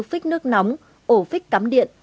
phích nước nóng ổ phích cắm điện